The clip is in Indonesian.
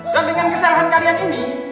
dan dengan kesalahan kalian ini